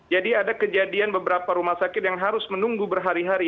jadi ada kejadian beberapa rumah sakit yang harus menunggu berhari hari